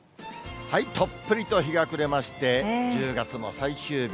とっぷりと日が暮れまして、１０月も最終日。